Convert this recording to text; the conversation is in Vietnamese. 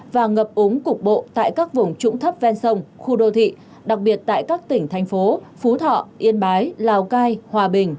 và ngập úng cục bộ tại các vùng trũng thấp ven sông khu đô thị đặc biệt tại các tỉnh thành phố phú thọ yên bái lào cai hòa bình